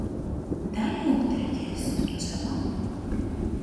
Дали утре ќе е сончево?